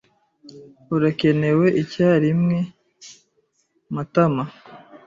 Urakenewe icyarimwe, Matama.